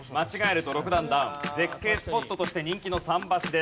絶景スポットとして人気の桟橋です。